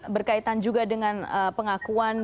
berkaitan juga dengan pengakuan